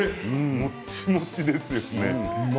もちもちですよね。